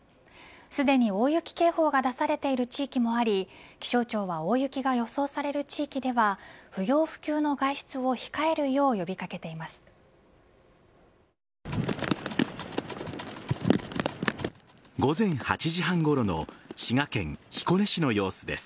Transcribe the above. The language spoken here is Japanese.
すでに大雪警報が出されている地域もあり気象庁は大雪が予想される地域では不要不急の外出を控えるよう呼び掛けています。